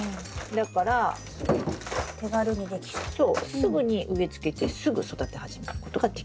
すぐに植え付けてすぐ育て始めることができる。